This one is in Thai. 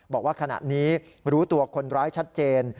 บอกว่าขณะนี้รู้ตัวคนร้ายชัดเจน